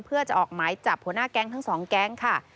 เพื่อจะออกหมายจับหัวหน้าแก๊งทั้งสองแก๊งค่ะ